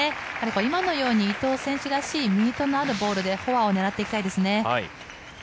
今のように伊藤選手らしいミートのあるボールでフォアをねらっていきたいですね。